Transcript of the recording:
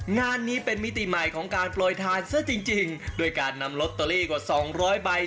งานนี้เป็นมิติใหม่ของการโปรยทานซะจริงจริงด้วยการนำลอตเตอรี่กว่าสองร้อยใบ